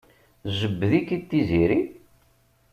Tjebbed-ik-id Tiziri?